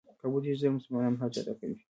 کابو دېرش زره مسلمانان حج ادا کوي.